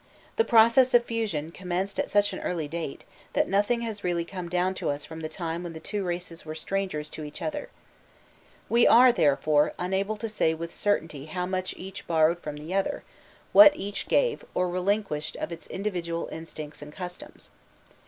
The process of fusion commenced at such an early date, that nothing has really come down to us from the time when the two races were strangers to each other. We are, therefore, unable to say with certainty how much each borrowed from the other, what each gave, or relinquished of its individual instincts and customs.